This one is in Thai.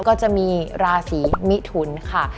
ก็จะมีราศีมิถุนค่ะ